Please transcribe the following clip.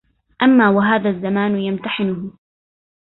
أما وهذا الزمان يمتحنه